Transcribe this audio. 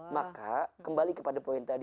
maka kembali kepada poin tadi